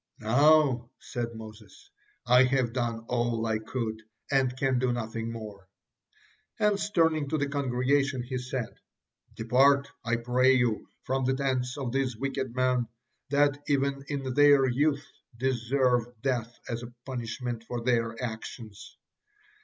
"Now," said Moses, "I have done all I could, and can do nothing more." Hence, turning to the congregation, he said: "Depart, I pray you, from the tents of these wicked men, that even in their youth deserved death as a punishment for their actions.